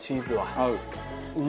合う。